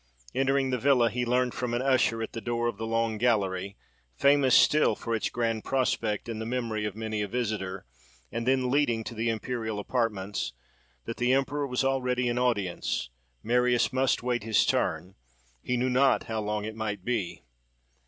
Entering the villa, he learned from an usher, at the door of the long gallery, famous still for its grand prospect in the memory of many a visitor, and then leading to the imperial apartments, that the emperor was already in audience: Marius must wait his turn—he knew not how long it might be.